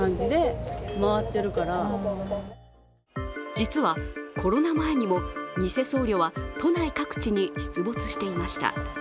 実は、コロナ前にも偽僧侶は都内各地に出没していました。